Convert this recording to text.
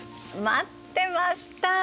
待ってました！